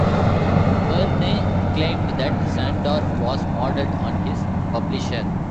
Verne claimed that Sandorf was modeled on his publisher.